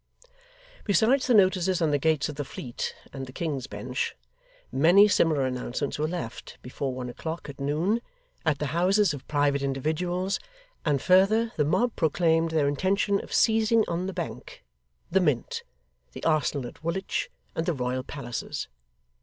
Besides the notices on the gates of the Fleet and the King's Bench, many similar announcements were left, before one o'clock at noon, at the houses of private individuals; and further, the mob proclaimed their intention of seizing on the Bank, the Mint, the Arsenal at Woolwich, and the Royal Palaces.